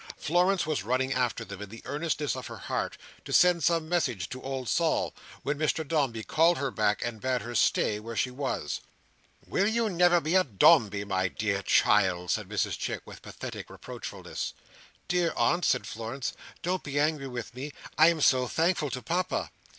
Florence was running after them in the earnestness of her heart, to send some message to old Sol, when Mr Dombey called her back, and bade her stay where she was. "Will you never be a Dombey, my dear child!" said Mrs Chick, with pathetic reproachfulness. "Dear aunt," said Florence. "Don't be angry with me. I am so thankful to Papa!"